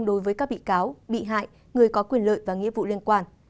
đối với các bị cáo bị hại người có quyền lợi và nghĩa vụ liên quan